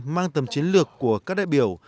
mang tầm chiến lược của các đại biểu